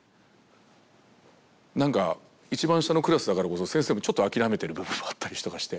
なんか一番下のクラスだから先生もちょっと諦めてる部分もあったりして。